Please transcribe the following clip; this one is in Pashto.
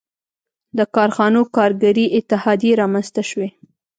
• د کارخانو کارګري اتحادیې رامنځته شوې.